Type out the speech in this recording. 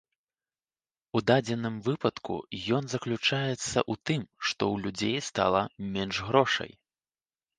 У дадзеным выпадку ён заключаецца ў тым, што ў людзей стала менш грошай.